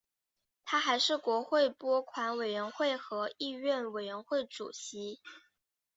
他还是国会拨款委员会和议院委员会主席。